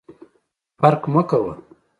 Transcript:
فرق مه کوه !